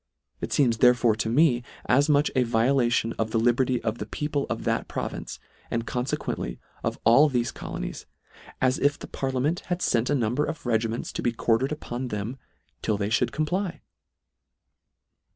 It feems therefore to me as much a violation of the liberty of the peo ple of that province, and confequently of all thefe colonies, as if the parliament had fent a number of regiments to be quartered upon them till they fhould comply.